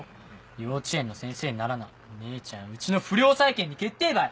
幼稚園の先生にならな姉ちゃんうちの不良債権に決定ばい！